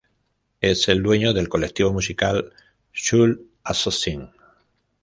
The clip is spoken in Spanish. Es el dueño del colectivo musical Soul Assassins.